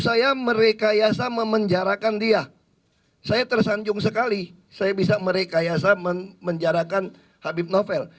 saya merekayasa memenjarakan dia saya tersanjung sekali saya bisa merekayasa menjarakan habib novel